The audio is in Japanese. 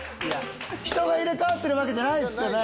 人が入れ替わってるわけじゃないですよね？